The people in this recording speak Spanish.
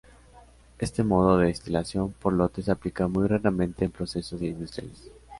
Este modo de destilación por lotes se aplica muy raramente en procesos industriales.